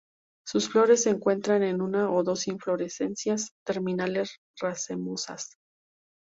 Sus flores se encuentran en una o dos inflorescencias terminales racemosas.